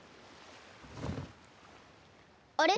あれ？